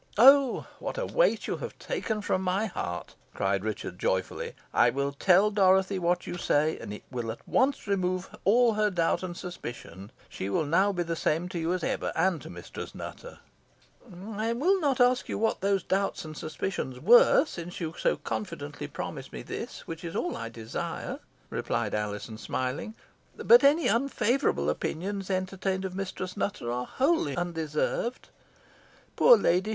"Oh! what a weight you have taken from my heart," cried Richard, joyfully. "I will tell Dorothy what you say, and it will at once remove all her doubts and suspicions. She will now be the same to you as ever, and to Mistress Nutter." "I will not ask you what those doubts and suspicions were, since you so confidently promise me this, which is all I desire," replied Alizon, smiling; "but any unfavourable opinions entertained of Mistress Nutter are wholly undeserved. Poor lady!